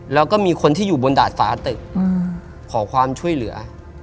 แล้วก็มีคนที่อยู่บนดาดฟ้าตึกขอความช่วยเหลือ